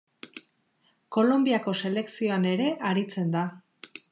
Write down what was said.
Kolonbiako selekzioan ere aritzen da.